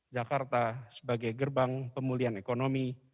jakarta sebagai gerbang pemulihan ekonomi